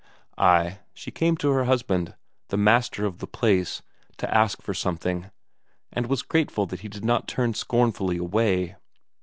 Ay, she came to her husband, the master of the place, to ask for something, and was grateful that he did not turn scornfully away.